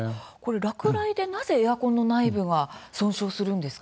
落雷でなぜエアコンの内部が損傷するんですか。